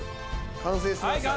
完成しましたね。